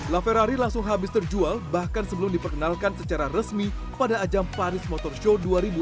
la ferrari langsung habis terjual bahkan sebelum diperkenalkan secara resmi pada ajang paris motor show dua ribu dua puluh